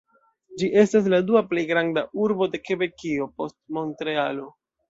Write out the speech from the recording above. Ĝi estas la dua plej granda urbo de Kebekio, post Montrealo.